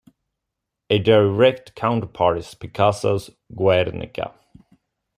A direct counterpart is Picasso's "Guernica".